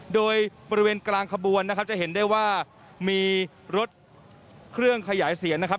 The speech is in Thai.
โดยบริเวณกลางขบวนนะครับจะเห็นได้ว่ามีรถเครื่องขยายเสียงนะครับ